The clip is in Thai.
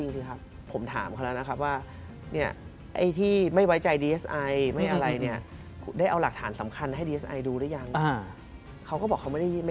เพราะว่าปลายถามคือแทงโม